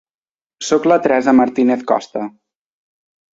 Soc la Teresa Martínez Costa.